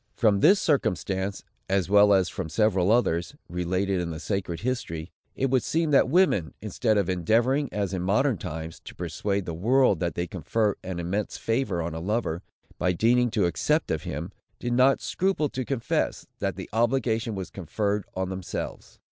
From this circumstance, as well as from several others, related in the sacred history, it would seem that women, instead of endeavoring, as in modern times, to persuade the world that they confer an immense favor on a lover, by deigning to accept of him, did not scruple to confess, that the obligation was conferred on themselves.